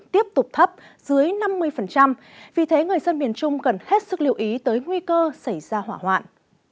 tiếp tục thấp dưới năm mươi vì thế người dân miền trung cần hết sức lưu ý tới nguy cơ xảy ra hỏa hoạn